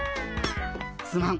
すまん。